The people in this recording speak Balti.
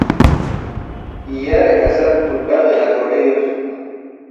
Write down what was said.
یلے کسل کونڈغی ہتھوڑے یودسُوک